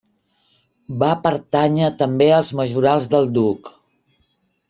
Va pertànyer també als majorals del duc.